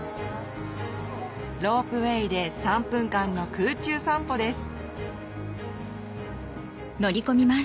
ロープウェイで３分間の空中散歩です